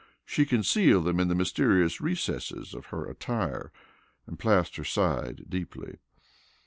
She concealed them in the mysterious recesses of her attire and Plaster sighed deeply.